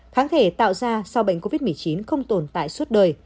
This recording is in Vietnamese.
kháng thể tạo ra sau bệnh covid một mươi chín không tồn tại suốt đời